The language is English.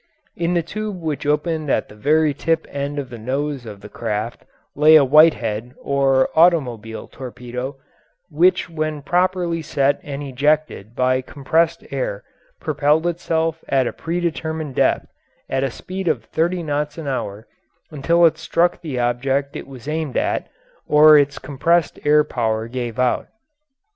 In the tube which opened at the very tip end of the nose of the craft lay a Whitehead (or automobile) torpedo, which when properly set and ejected by compressed air propelled itself at a predetermined depth at a speed of thirty knots an hour until it struck the object it was aimed at or its compressed air power gave out.